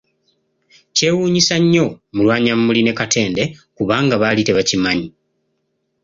Kyewuunyisa nnyo Mulwanyammuli ne Katende kubanga baali tebakimannyi.